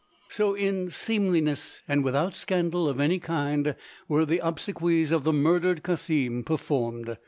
So in seemliness and without scandal of any kind were the obsequies of the murdered Cassim performed.